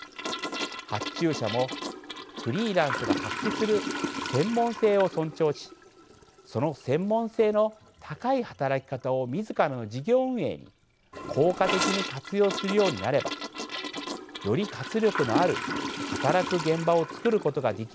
発注者もフリーランスが発揮する専門性を尊重しその専門性の高い働き方を自らの事業運営に効果的に活用するようになればより活力のある働く現場を作ることができるのではないかと感じています。